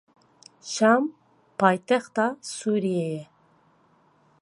Şam paytexta Sûriyê ye.